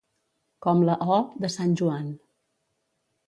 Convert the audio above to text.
Com la «o» de sant Joan.